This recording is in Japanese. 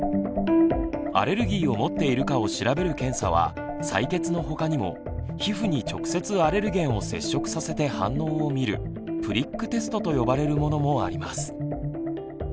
アレルギーを持っているかを調べる検査は採血のほかにも皮膚に直接アレルゲンを接触させて反応を見る「プリックテスト」と呼ばれるものもあります。